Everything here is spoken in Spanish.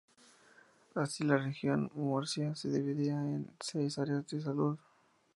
Así la Región de Murcia se dividía en seis áreas de salud.